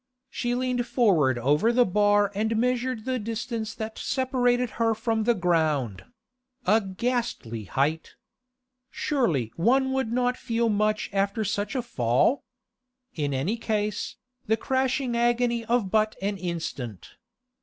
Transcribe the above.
She leaned forward over the bar and measured the distance that separated her from the ground; a ghastly height! Surely one would not feel much after such a fall? In any case, the crashing agony of but an instant.